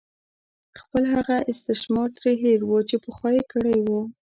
خپل هغه استثمار ترې هېر وو چې پخوا یې کړې وه.